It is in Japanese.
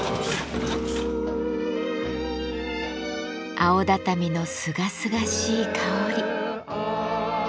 青畳のすがすがしい香り。